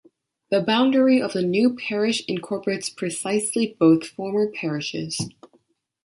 The boundary of the new parish incorporates precisely both former parishes.